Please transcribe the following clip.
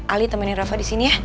ali temenin rafa di sini ya